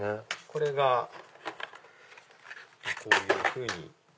これがこういうふうに。